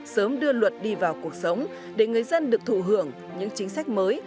sớm đưa luật đi vào cuộc sống để người dân được thụ hưởng những chính sách mới